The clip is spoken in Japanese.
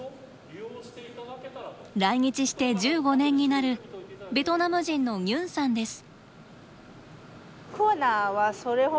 来日して１５年になるベトナム人のニュンさんです。